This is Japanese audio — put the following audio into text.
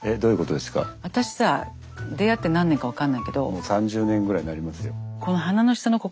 もう３０年ぐらいになりますよ。